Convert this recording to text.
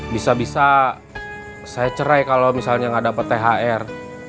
bisa bisa saya cerai kalau misalnya nggak dapat thr